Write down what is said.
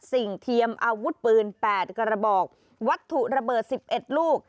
เทียมอาวุธปืน๘กระบอกวัตถุระเบิด๑๑ลูก